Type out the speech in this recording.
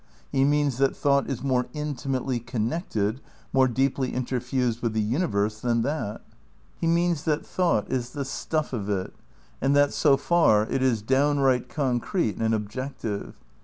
He means that thought is more intimately connected, more deeply interfused with the universe than that. He means that thought is the stuff of it, and that so far it is downright con crete and objective.